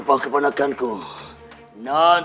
saya sudah menyesal